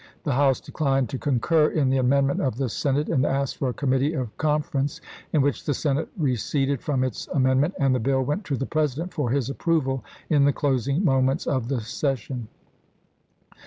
The House declined to concur in the amendment of the Senate and asked for a committee of confer ence, in which the Senate receded from its amend ment and the bill went to the President for his approval in the closing moments of the session.